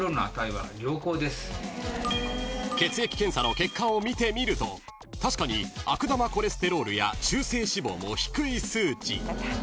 ［血液検査の結果を見てみると確かに悪玉コレステロールや中性脂肪も低い数値］